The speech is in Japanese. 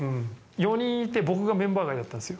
４人いて、僕がメンバー外だったんですよ。